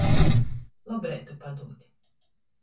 Lobreitu padūt.